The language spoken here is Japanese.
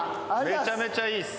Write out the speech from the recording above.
めちゃめちゃいいっす。